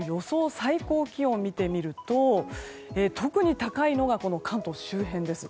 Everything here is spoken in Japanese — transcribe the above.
最高気温を見てみると特に高いのが関東周辺です。